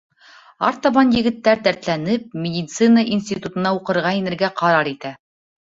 Артабан егеттәр, дәртләнеп, медицина институтына уҡырға инергә ҡарар итә.